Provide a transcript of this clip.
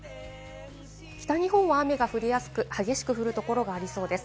北日本は雨が降りやすく、激しく降るところがありそうです。